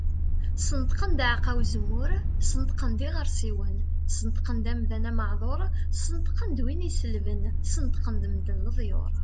Sneṭqen-d aɛeqqa uzemmur, Sneṭqen-d iɣersiwen, Sneṭqen-d amdan ameɛdur, Sneṭqen-d win iselben, Sneṭqen-d medden leḍyur.